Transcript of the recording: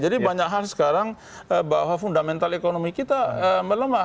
jadi banyak hal sekarang bahwa fundamental ekonomi kita melemah